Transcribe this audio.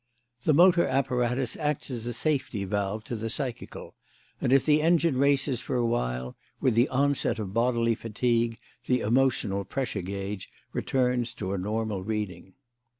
The motor apparatus acts as a safety valve to the psychical; and if the engine races for a while, with the onset of bodily fatigue the emotional pressure gauge returns to a normal reading.